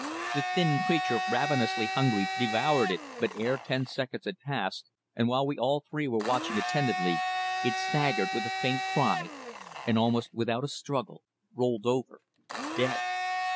The thin creature, ravenously hungry, devoured it, but ere ten seconds had passed, and while we all three were watching attentively, it staggered, with a faint cry, and almost without a struggle rolled over, dead.